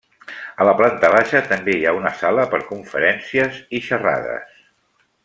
A la planta baixa també hi ha una sala per a conferències i xerrades.